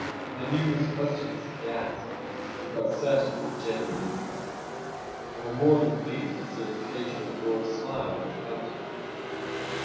From the numerous questions he asked we felt certain of his genuine interest, and were more than pleased to see an occasional broad smile on his countenance.